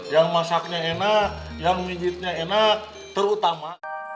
yang masaknya enak yang wijitnya enak terutama